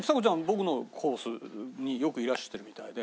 僕のコースによくいらしてるみたいで。